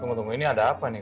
tunggu tunggu ini ada apa nih